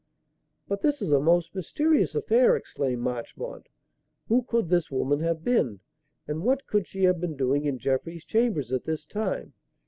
"But this is a most mysterious affair," exclaimed Marchmont. "Who could this woman have been, and what could she have been doing in Jeffrey's chambers at this time?